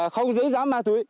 không giữ giám ma tùy